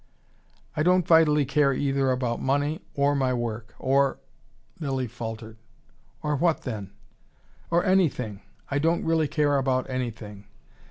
"I don't vitally care either about money or my work or " Lilly faltered. "Or what, then?" "Or anything. I don't really care about anything.